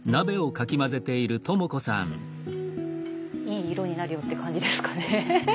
いい色になれよって感じですかね。